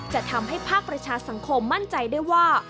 จะทำให้ภาคประชาสังคมมั่นใจได้ว่า